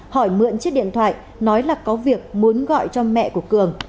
hỏi mượn chiếc điện thoại nói là có việc muốn gọi cho mẹ của cường